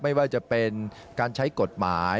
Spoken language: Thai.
ไม่ว่าจะเป็นการใช้กฎหมาย